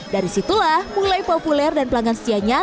dari situlah mulai populer dan pelanggan setianya